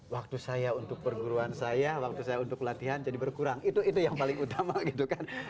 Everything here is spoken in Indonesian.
waktu saya untuk perguruan saya waktu saya untuk latihan jadi berkurang itu yang paling utama gitu kan